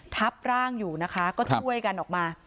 ทับร่างอยู่นะคะก็ช่วยกันออกมา